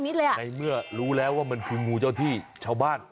ในเมื่อรู้แล้วว่ามันคืองูเจ้าที่ชาวบ้าน